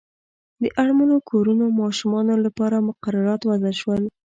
د اړمنو کورنیو ماشومانو لپاره مقررات وضع شول.